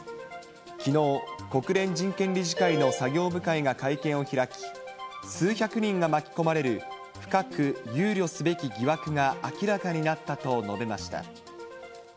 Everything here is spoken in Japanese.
きのう、国連人権理事会の作業部会が会見を開き、数百人が巻き込まれる深く憂慮すべき疑惑が明らかになったと述べました。